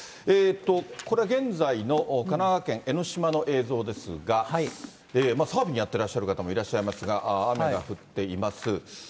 これは現在の神奈川県江の島の映像ですが、サーフィンやってらっしゃる方もいらっしゃいますが、雨が降っています。